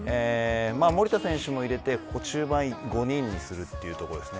守田選手も入れて中盤を５人にするということです。